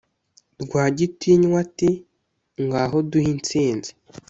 rwagitinywa ati"ngaho duhe insinzi "